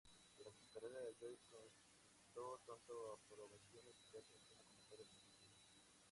Durante su carrera, Joyce concitó tanto apreciaciones adversas como comentarios positivos.